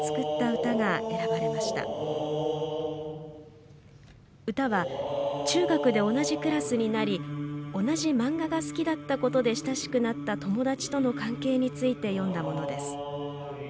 歌は中学で同じクラスになり同じ漫画が好きだったことで親しくなった友達との関係について詠んだものです。